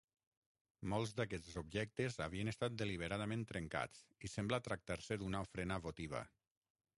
Molts d'aquests objectes havien estat deliberadament trencats i sembla tractar-se d'una ofrena votiva.